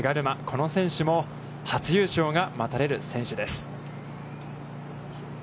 この選手も初優勝が待たれる選手です。